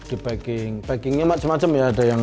di packing packingnya macam macam ya ada yang